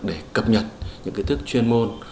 để cập nhật những kỹ thức chuyên môn